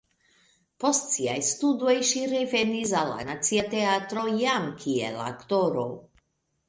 Post siaj studoj ŝi revenis al la Nacia Teatro jam kiel aktoro.